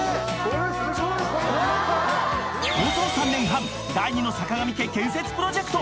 構想３年半、第２の坂上家建設プロジェクト